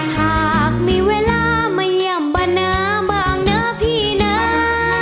หากมีเวลามาย่ำบันน้าบางนะพี่น้า